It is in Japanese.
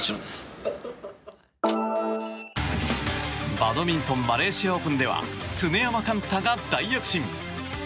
バドミントンマレーシアオープンでは常山幹太が大躍進！